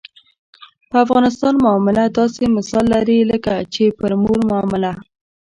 په افغانستان معامله داسې مثال لري لکه چې پر مور معامله.